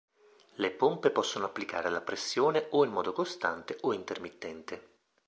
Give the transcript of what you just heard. Le pompe possono applicare la pressione o in modo costante o intermittente..